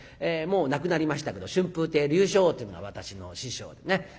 もう亡くなりましたけど春風亭柳昇というのが私の師匠でね。